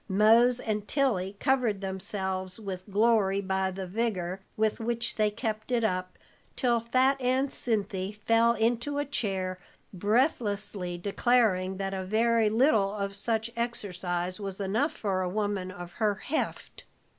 Mose and Tilly covered themselves with glory by the vigor with which they kept it up, till fat Aunt Cinthy fell into a chair, breathlessly declaring that a very little of such exercise was enough for a woman of her "heft."